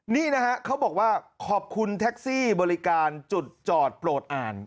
นี่นะฮะเขาบอกว่าขอบคุณแท็กซี่บริการจุดจอดโปรดอ่าน